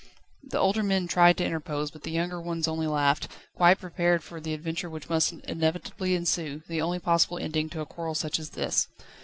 The older men tried to interpose, but the young ones only laughed, quite prepared for the adventure which must inevitably ensue, the only possible ending to a quarrel such as this.